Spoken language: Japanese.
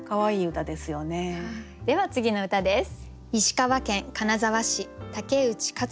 では次の歌です。